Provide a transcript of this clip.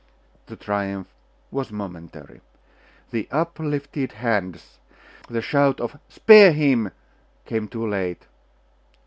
The triumph was momentary. The uplifted hands, the shout of 'Spare him!' came too late.